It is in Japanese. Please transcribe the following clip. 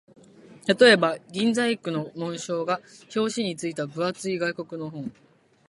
例えば、銀細工の紋章が表紙に付いた分厚い外国の本